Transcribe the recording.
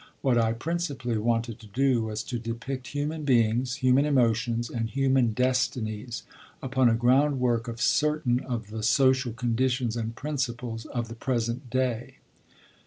What I principally wanted to do was to depict human beings, human emotions, and human destinies, upon a groundwork of certain of the social conditions and principles of the present day.'